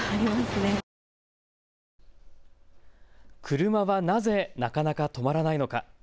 車はなぜ、なかなか止まらないのか。